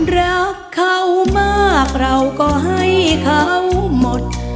รักเขามากเราก็ให้เขาหมด